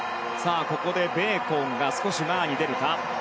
ここでベーコンが少し前に出るか。